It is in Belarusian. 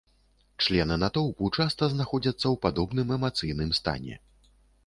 Члены натоўпу часта знаходзяцца ў падобным эмацыйным стане.